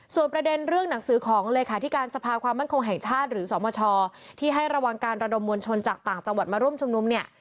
ส่วนประเด็นเรื่องหนังสือของเลขาธิการสภาความมั่นคงแห่งชาติหรือสมชที่ให้ระวังการระดมมวลชนจากต่างจังหวัดมาร่วมชุมนุมเนี่ย